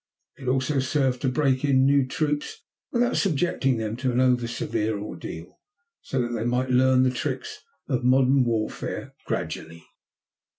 It also served to break in new troops without subjecting them to an oversevere ordeal, so that they might learn the tricks of modern warfare gradually.